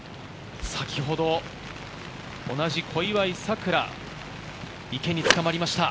先ほど同じ小祝さくら、池につかまりました。